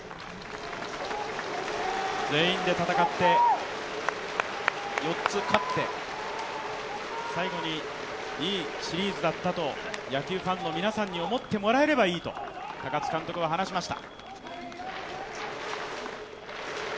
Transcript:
全員で戦って、４つ勝って最後にいいシリーズだったと野球ファンの皆さんに思ってもらえればいいと高津監督は話しました。